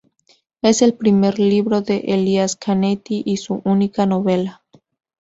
Es el primer libro de Elias Canetti y su única novela.